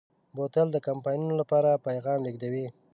بوتل د کمپاینونو لپاره پیغام لېږدوي.